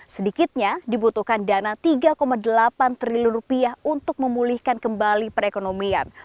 sedikitnya dibutuhkan dana tiga delapan triliun rupiah untuk memulihkan kembali perekonomian